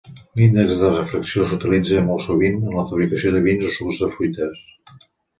L'índex de refracció s'utilitza molt sovint en la fabricació de vins o sucs de fruites.